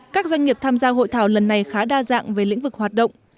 các doanh nghiệp tham gia hội thảo lần này khá đa dạng về lĩnh vực hoạt động